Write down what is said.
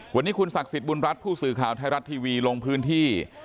วันนี้คุณศักดิ์สิทธิบุญรัฐผู้สื่อข่าวไทยรัฐทีวีลงพื้นที่